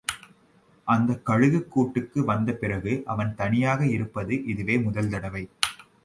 அந்தக் கழுகுக் கூட்டுக்கு வந்த பிறகு அவன் தனியாக இருப்பது இதுவே முதல் தடவை.